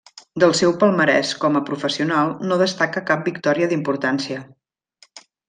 Del seu palmarès com a professional no destaca cap victòria d'importància.